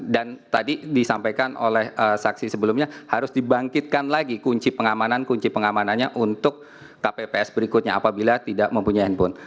dan tadi disampaikan oleh saksi sebelumnya harus dibangkitkan lagi kunci pengamanan kunci pengamanannya untuk kpps berikutnya apabila tidak mempunyai handphone